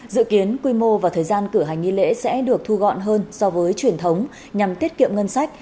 dự kiến quy mô và thời gian cử hành nghi lễ sẽ được thu gọn hơn so với truyền thống nhằm tiết kiệm ngân sách